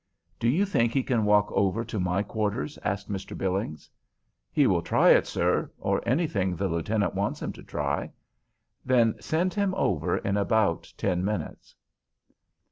"Do you think he can walk over to my quarters?" asked Mr. Billings. "He will try it, sir, or anything the lieutenant wants him to try." "Then send him over in about ten minutes."